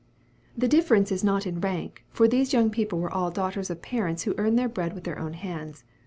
The difference is not in rank, for these young people were all daughters of parents who earn their bread with their own hands.